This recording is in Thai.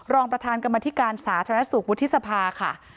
รองประธานกรรมธิการสาธารณสุขวุฒิสภาค่ะ